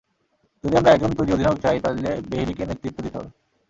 যদি আমরা একজন তৈরি অধিনায়ক চাই, তাহলে বেইলিকে নেতৃত্ব দিতে হবে।